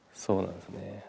そうなんですね。